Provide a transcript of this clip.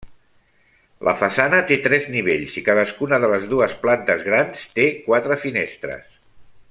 La façana té tres nivells i cadascuna de les dues plantes grans té quatre finestres.